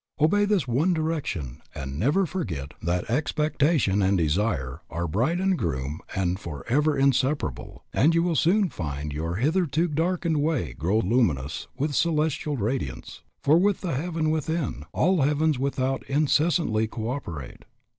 Obey this one direction and never forget that expectation and desire are bride and bridegroom and forever inseparable, and you will soon find your hitherto darkened way grow luminous with celestial radiance, for with the heaven within, all heavens without incessantly co operate."